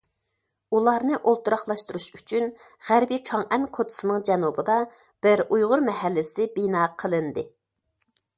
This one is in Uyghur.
ئۇلارنى ئولتۇراقلاشتۇرۇش ئۈچۈن غەربىي چاڭئەن كوچىسىنىڭ جەنۇبىدا بىر ئۇيغۇر مەھەللىسى بىنا قىلىندى.